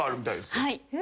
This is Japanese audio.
はい。